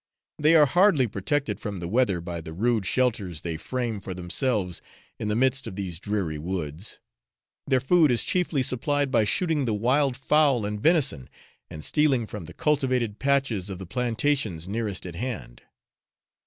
They are hardly protected from the weather by the rude shelters they frame for themselves in the midst of these dreary woods. Their food is chiefly supplied by shooting the wild fowl and venison, and stealing from the cultivated patches of the plantations nearest at hand.